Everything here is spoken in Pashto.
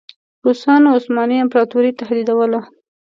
روسانو عثماني امپراطوري تهدیدوله.